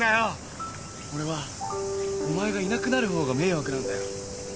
俺はお前がいなくなる方が迷惑なんだよ。